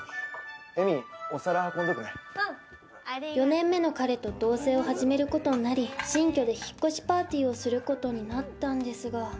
４年目の彼と同棲を始める事になり新居で引っ越しパーティーをする事になったんですが